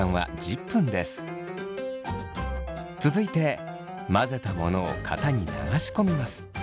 続いて混ぜたものを型に流し込みます。